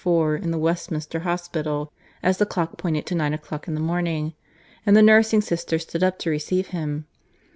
IV in the Westminster Hospital as the clock pointed to nine o'clock in the morning, and the nursing sister stood up to receive him.